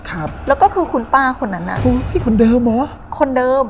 แล้วก็คือคุณป้าคนนั้นคนเดิม